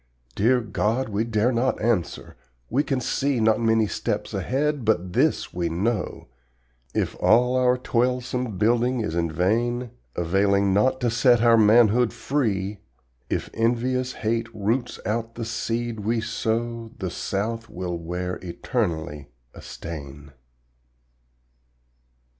Dear God, we dare not answer, we can see Not many steps ahead, but this we know If all our toilsome building is in vain, Availing not to set our manhood free, If envious hate roots out the seed we sow, The South will wear eternally a stain.